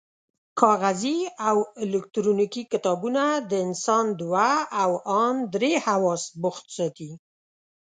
کاغذي او الکترونیکي کتابونه د انسان دوه او ان درې حواس بوخت ساتي.